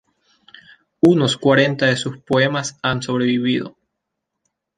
Unos cuarenta de sus poemas han sobrevivido.